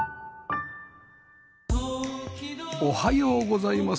おはようございます。